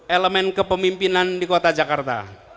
elemen kepemimpinan di kota jakarta